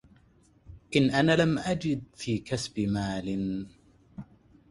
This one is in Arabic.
إن أنا لم أجد في كسب مال